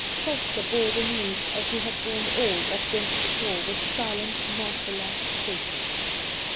Soltk^ bore the news as he had borne aU that went before, with silent, martyr like patience.